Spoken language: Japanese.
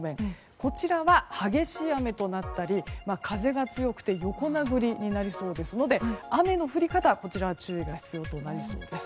こちらは激しい雨となったり風が強くて横殴りになりそうですのでこちらは雨の降り方に注意が必要となりそうです。